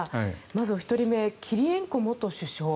まずお一人目キリエンコ元首相。